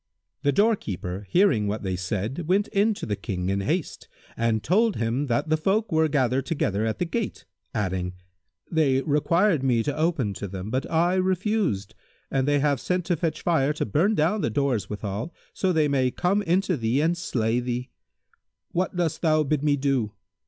The doorkeeper, hearing what they said went in to the King in haste and told him that the folk were gathered together at the gate, adding, "They required me to open to them, but I refused; and they have sent to fetch fire to burn down the doors withal, so they may come into thee and slay thee. What dost thou bid me do?"